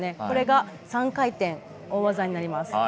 これが３回転、大技になります。